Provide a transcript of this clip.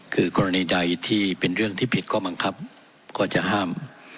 คือกรณีใดที่เป็นเรื่องที่ผิดข้อบังคับก็จะห้าม